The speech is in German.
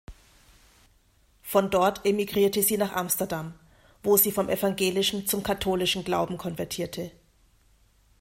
Von dort emigrierte sie nach Amsterdam, wo sie vom evangelischen zum katholischen Glauben konvertierte.